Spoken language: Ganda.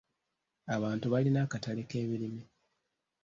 Abantu balina akatale k'ebirime.